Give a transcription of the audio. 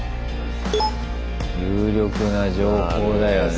有力な情報だよね。